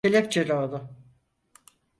Kelepçele onu.